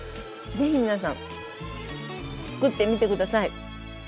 ぜひ皆さんつくってみて下さい。